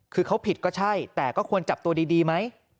คือเขาผิดก็ใช่แต่ก็ควรจับตัวดีไหม